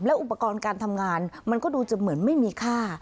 อุปกรณ์การทำงานมันก็ดูจะเหมือนไม่มีค่า